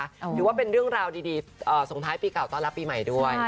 ถือว่าเป็นเรื่องราวดีส่งท้ายปีเก่าต้อนรับปีใหม่ด้วย